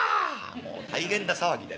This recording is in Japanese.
もう大変な騒ぎでね。